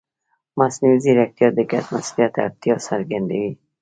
مصنوعي ځیرکتیا د ګډ مسؤلیت اړتیا څرګندوي.